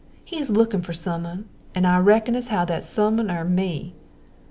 He's lookin' for some un', and I reckon as how that some un' air me!"